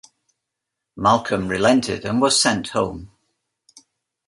Malcolm relented and was sent home.